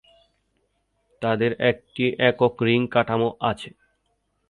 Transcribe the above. তাদের একটি একক রিং কাঠামো আছে।